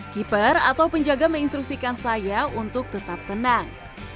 keeper atau penjaga menginstruksikan saya untuk tetap tenang